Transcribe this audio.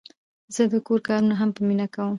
زه د کور کارونه هم په مینه کوم.